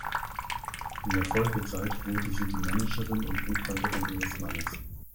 In der Folgezeit wurde sie die Managerin und Buchhalterin ihres Mannes.